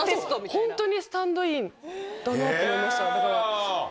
ホントにスタンドインだなと思いました。